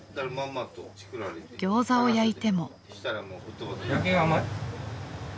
［ギョーザを焼いても］